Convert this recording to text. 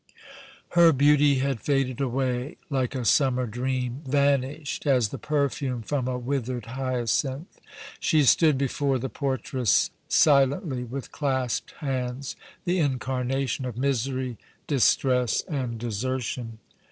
Her beauty had faded away like a summer dream, vanished as the perfume from a withered hyacinth. She stood before the portress silently, with clasped hands, the incarnation of misery, distress and desertion.